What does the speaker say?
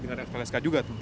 ada lpsk juga tuh